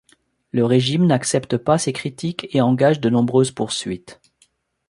Le régime n’accepte pas ces critiques et engage de nombreuses poursuites.